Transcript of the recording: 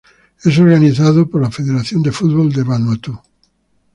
Es organizado por la Federación de Fútbol de Vanuatu.